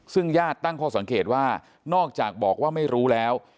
ซึ่งญาติตั้งข้อสังเกตว่านอกจากบอกว่าไม่รู้แล้ว